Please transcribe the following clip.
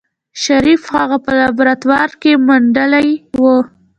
شريف هغه په لابراتوار کې منډلې وه.